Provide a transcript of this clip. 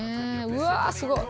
うわすごい。